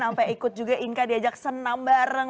sampai ikut juga inka diajak senam bareng